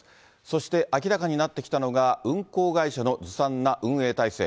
そして明らかになってきたのが、運航会社のずさんな運営体制。